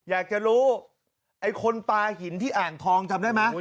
อยากจะรู้ไอ้คนปลาหินที่อ่างทองจำได้ไหม